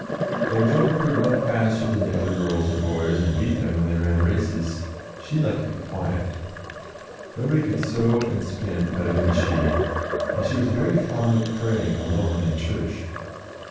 Though Joan could run faster than the other girls and boys, and beat them when they ran races, she liked to be quiet. No body could sew and spin better than she did, and she was very fond of praying alone in church.